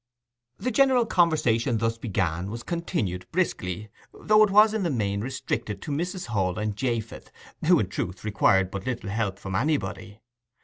The general conversation thus begun was continued briskly, though it was in the main restricted to Mrs. Hall and Japheth, who in truth required but little help from anybody.